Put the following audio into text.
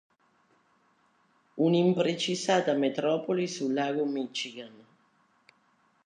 Un'imprecisata metropoli sul Lago Michigan.